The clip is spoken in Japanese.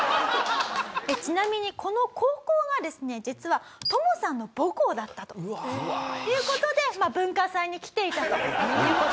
ちなみにこの高校がですね実はトモさんの母校だったという事で文化祭に来ていたという事になります。